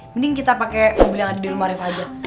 mending kita pakai mobil yang ada di rumah rif aja